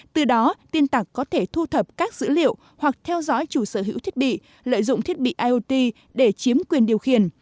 từ đó tin tặc có thể thu thập các dữ liệu hoặc theo dõi chủ sở hữu thiết bị lợi dụng thiết bị iot để chiếm quyền điều khiển